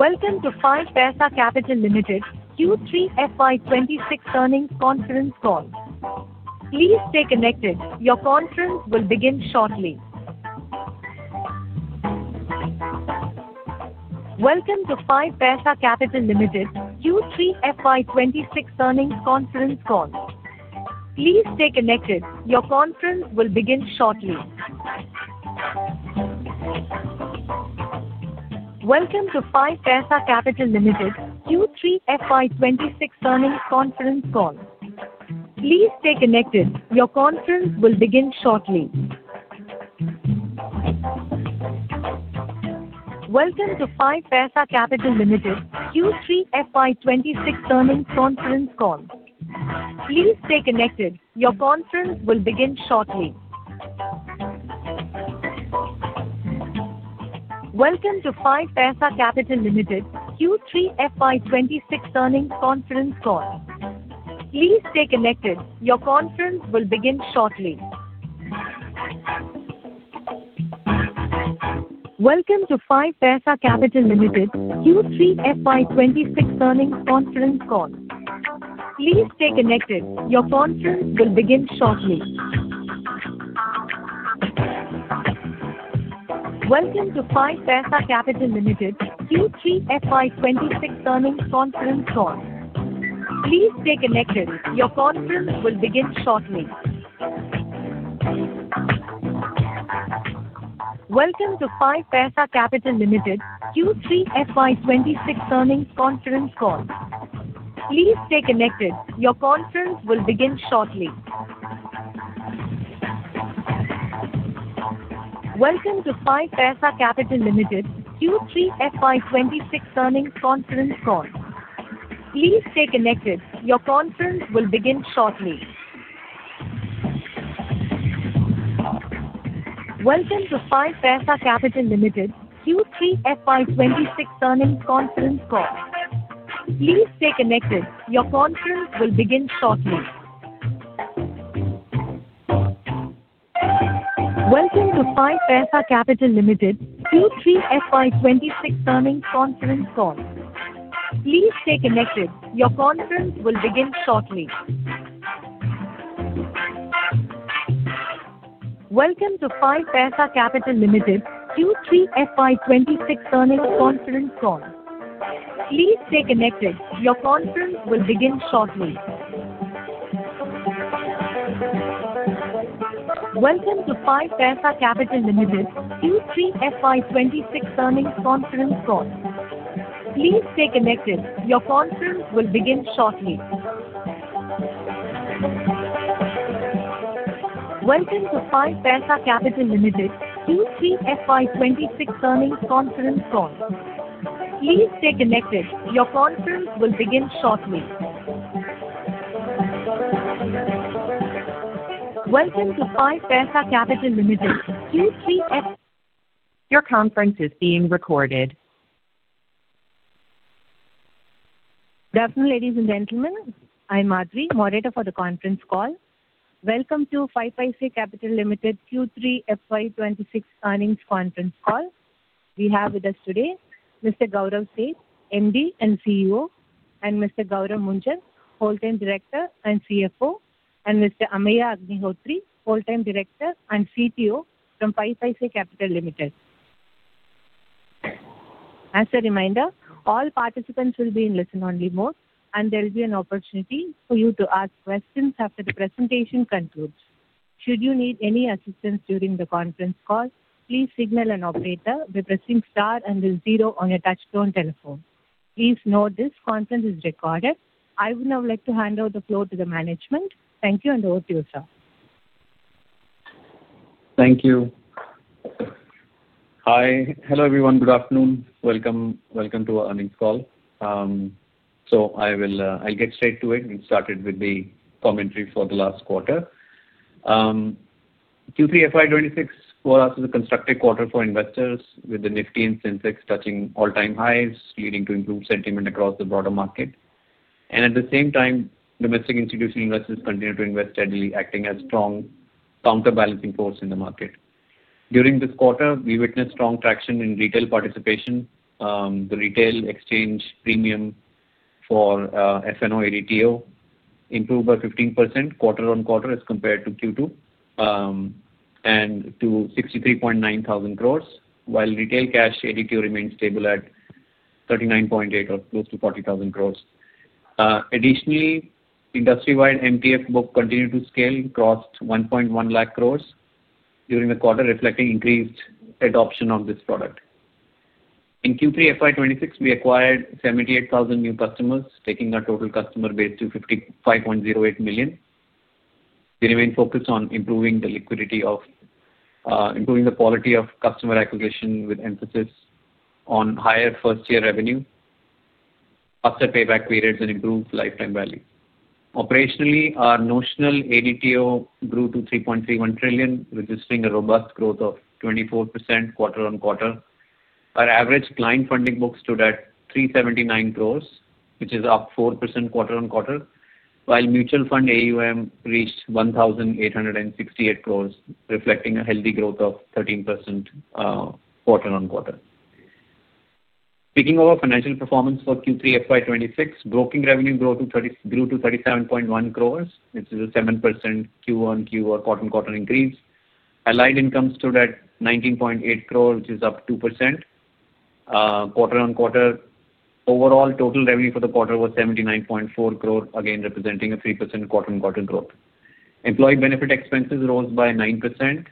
Welcome to 5paisa Capital Limited, Q3 FY 2026 earnings conference call. Please stay connected. Your conference will begin shortly. Welcome to 5paisa Capital Limited, Q3 FY 2026 earnings conference call. Please stay connected. Your conference will begin shortly. Your conference is being recorded. Good afternoon, ladies and gentlemen. I'm Aadri, moderator for the conference call. Welcome to 5paisa Capital Limited, Q3 FY26 earnings conference call. We have with us today Mr. Gaurav Seth, MD and CEO, and Mr. Gourav Munjal, Whole Time Director and CFO, and Mr. Ameya Agnihotri, Whole Time Director and CTO from 5paisa Capital Limited. As a reminder, all participants will be in listen-only mode, and there will be an opportunity for you to ask questions after the presentation concludes. Should you need any assistance during the conference call, please signal an operator by pressing star and then zero on your touch-tone telephone. Please note this conference is recorded. I would now like to hand over the floor to the management. Thank you, and over to you, sir. Thank you. Hi, hello everyone, good afternoon. Welcome to our earnings call. So I'll get straight to it and start with the commentary for the last quarter. Q3 FY 2026 for us is a constructive quarter for investors with the Nifty and Sensex touching all-time highs, leading to improved sentiment across the broader market. And at the same time, domestic institutional investors continue to invest steadily, acting as a strong counterbalancing force in the market. During this quarter, we witnessed strong traction in retail participation. The retail exchange premium for F&O ADTO improved by 15% quarter-on-quarter as compared to Q2 and to 63,900 crores, while retail cash ADTO remained stable at 39.8 or close to INR 40,000 crores. Additionally, industry-wide MTF book continued to scale and crossed 1.1 lakh crores during the quarter, reflecting increased adoption of this product. In Q3 FY26, we acquired 78,000 new customers, taking our total customer base to 5.08 million. We remained focused on improving the quality of customer acquisition with emphasis on higher first-year revenue, faster payback periods, and improved lifetime value. Operationally, our notional ADTO grew to 3.31 trillion, registering a robust growth of 24% quarter-on-quarter. Our average client funding book stood at 379 crores, which is up 4% quarter-on-quarter, while mutual fund AUM reached 1,868 crores, reflecting a healthy growth of 13% quarter-on-quarter. Speaking of our financial performance for Q3 FY26, broking revenue grew to 37.1 crores, which is a 7% QoQ or quarter-on-quarter increase. Allied income stood at 19.8 crores, which is up 2% quarter-on-quarter. Overall total revenue for the quarter was 79.4 crores, again representing a 3% quarter-on-quarter growth. Employee benefit expenses rose by 9%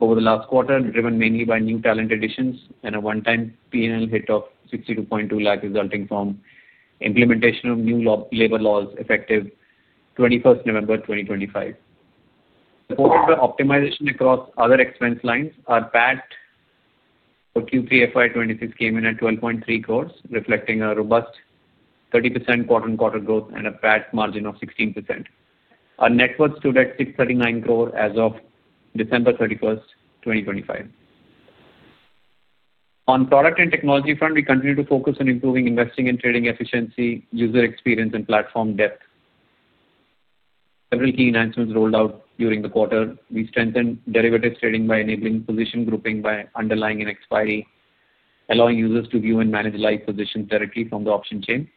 over the last quarter, driven mainly by new talent additions and a one-time P&L hit of 62.2 lakhs, resulting from implementation of new labor laws effective 21st November 2025. Supported by optimization across other expense lines, our PAT for Q3 FY26 came in at 12.3 crores, reflecting a robust 30% quarter-on-quarter growth and a PAT margin of 16%. Our net worth stood at 639 crores as of December 31st, 2025. On product and technology front, we continue to focus on improving investing and trading efficiency, user experience, and platform depth. Several key enhancements rolled out during the quarter. We strengthened derivatives trading by enabling position grouping by underlying and expiry, allowing users to view and manage live position directly from the option chain,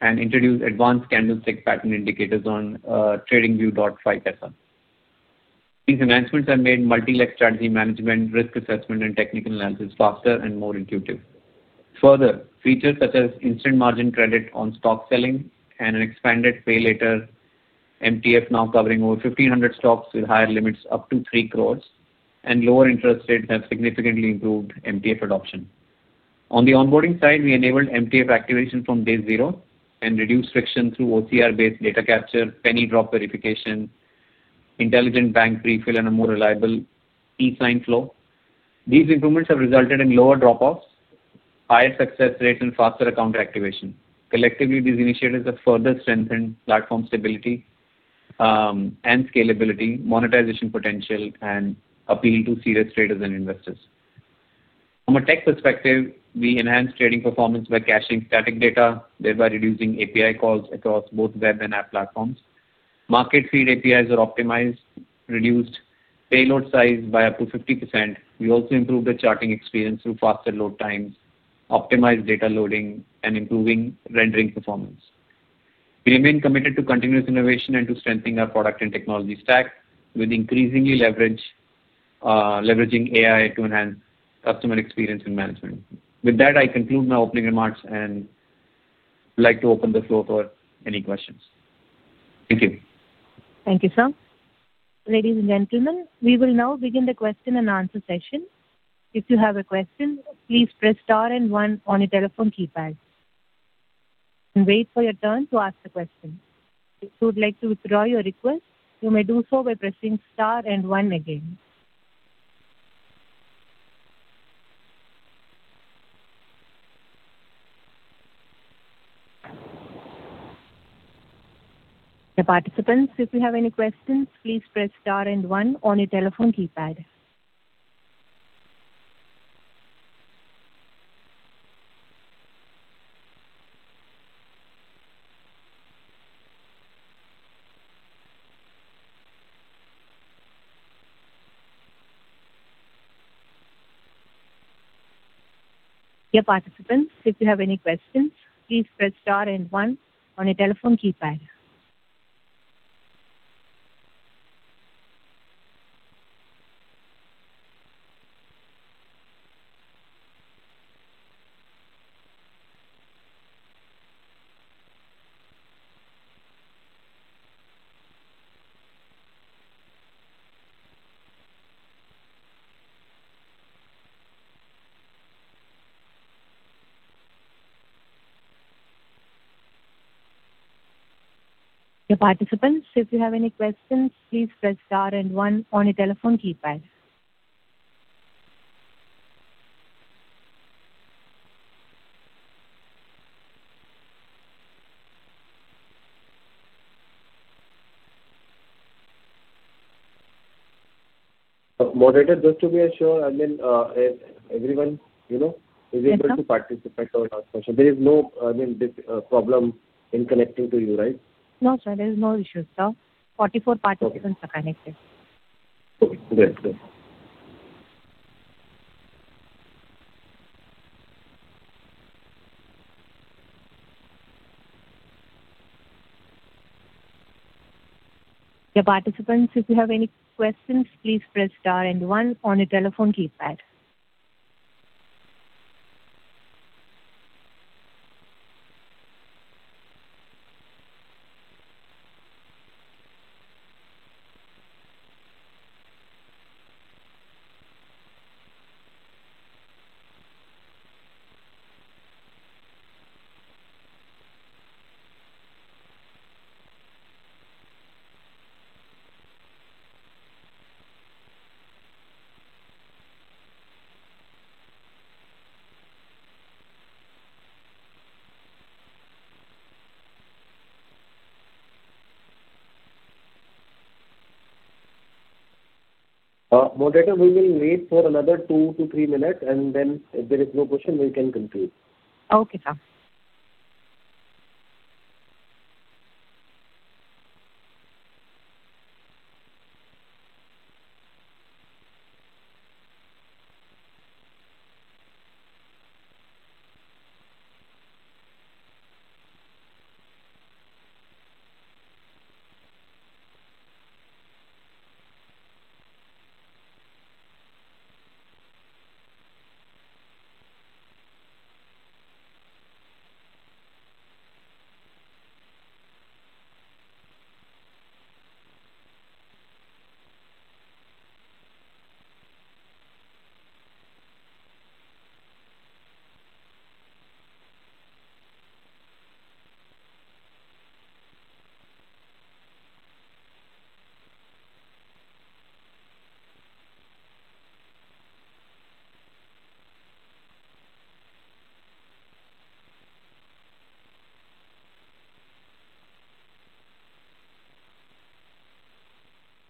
and introduced advanced candlestick pattern indicators on TradingView 5paisa. These enhancements have made multi-level strategy management, risk assessment, and technical analysis faster and more intuitive. Further, features such as instant margin credit on stock selling and an expanded Pay Later MTF now covering over 1,500 stocks with higher limits up to 3 crores and lower interest rates have significantly improved MTF adoption. On the onboarding side, we enabled MTF activation from day zero and reduced friction through OCR-based data capture, penny drop verification, intelligent bank pre-fill, and a more reliable eSign flow. These improvements have resulted in lower drop-offs, higher success rates, and faster account activation. Collectively, these initiatives have further strengthened platform stability and scalability, monetization potential, and appeal to serious traders and investors. From a tech perspective, we enhanced trading performance by caching static data, thereby reducing API calls across both web and app platforms. Market feed APIs are optimized, reduced payload size by up to 50%. We also improved the charting experience through faster load times, optimized data loading, and improving rendering performance. We remain committed to continuous innovation and to strengthening our product and technology stack with increasingly leveraging AI to enhance customer experience and management. With that, I conclude my opening remarks and would like to open the floor for any questions. Thank you. Thank you, sir. Ladies and gentlemen, we will now begin the question and answer session. If you have a question, please press star and one on your telephone keypad and wait for your turn to ask the question. If you would like to withdraw your request, you may do so by pressing star and one again. The participants, if you have any questions, please press star and one on your telephone keypad. Moderator, just to be sure, I mean, everyone is able to participate or ask questions? There is no problem in connecting to you, right? No, sir, there is no issue, sir. 44 participants are connected. Okay, great. The participants, if you have any questions, please press star and one on your telephone keypad. Moderator, we will wait for another two to three minutes, and then if there is no question, we can conclude. Okay, sir.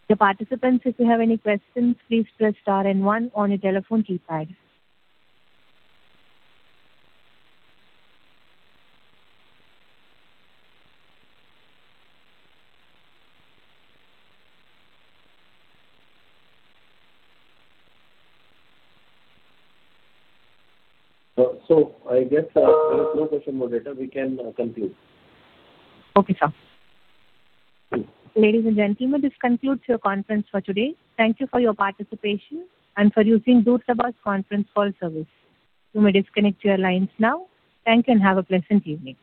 The participants, if you have any questions, please press star and one on your telephone keypad. So I guess there are no questions, Moderator. We can conclude. Okay, sir. Ladies and gentlemen, this concludes your conference for today. Thank you for your participation and for using Durbhash Conference Call Service. You may disconnect your lines now. Thank you and have a pleasant evening.